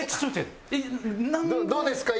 どうですか？